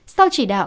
sau chỉ đạo